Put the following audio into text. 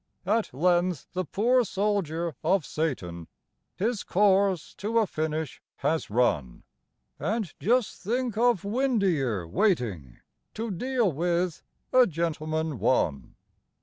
At length the poor soldier of Satan His course to a finish has run And just think of Windeyer waiting To deal with "A Gentleman, One"!